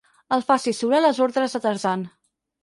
El faci surar a les ordres de Tarzan.